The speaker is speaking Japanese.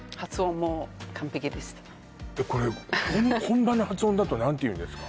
これ本場の発音だと何て言うんですか？